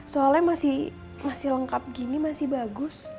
soalnya masih lengkap gini masih bagus